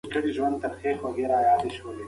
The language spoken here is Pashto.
قمري له ونې څخه ځمکې ته راښکته شوه.